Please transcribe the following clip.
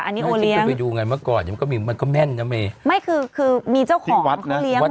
อันนี้โอเลี้ยงไปดูไงเมื่อก่อนมันก็มีมันก็แม่นนะเมย์ไม่คือคือมีเจ้าของเขาเลี้ยงเหรอ